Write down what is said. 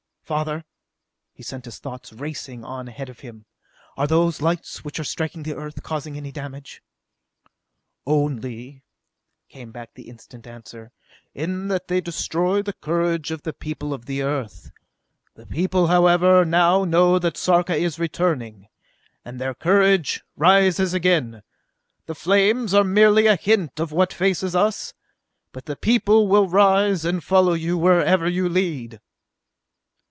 "Father," he sent his thoughts racing on ahead of him, "are those lights which are striking the Earth causing any damage?" "Only," came back the instant answer, "in that they destroy the courage of the people of the Earth! The people, however, now know that Sarka is returning, and their courage rises again! The flames are merely a hint of what faces us; but the people will rise and follow you wherever you lead!"